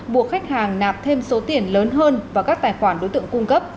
buộc khách hàng nạp thêm số tiền lớn hơn vào các tài khoản đối tượng cung cấp